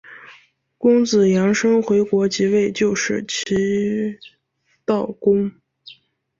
公子阳生回国即位就是齐悼公。